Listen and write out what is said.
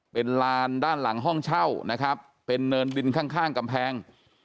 เป็นลานด้านหลังห้องเช่านะครับเป็นเนินดินข้างกำแพง